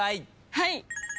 はい。